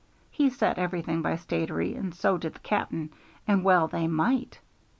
He set everything by Statiry, and so did the cap'n, and well they might.